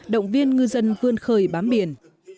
động viên ngư dân vươn khơi bám biển